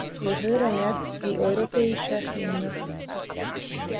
Wir hören jetzt die Europäische Hymne.